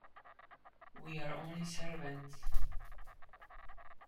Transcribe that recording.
We are only servants.